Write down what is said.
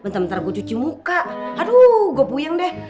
ternyata kan nih